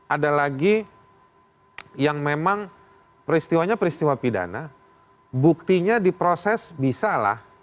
ada lagi yang memang peristiwanya peristiwa pidana buktinya diproses bisa lah